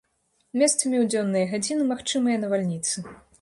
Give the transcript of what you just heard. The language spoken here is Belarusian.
Месцамі ў дзённыя гадзіны магчымыя навальніцы.